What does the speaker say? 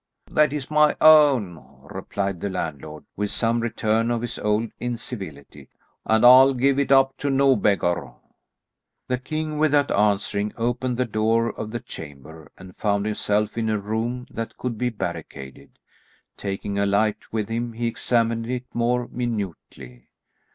"That is my own," replied the landlord, with some return of his old incivility, "and I'll give it up to no beggar." The king without answering opened the door of the chamber and found himself in a room that could be barricaded. Taking a light with him he examined it more minutely.